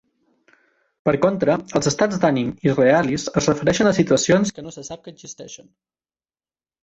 Per contra, els estats d'ànim "irrealis" es refereixen a situacions que no se sap que existeixen.